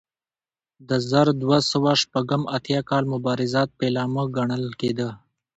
د زر دوه سوه شپږ اتیا کال مبارزات پیلامه ګڼل کېده.